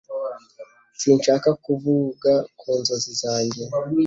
Sinshaka kuvuga ku nzozi zanjye